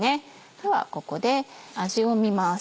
ではここで味を見ます。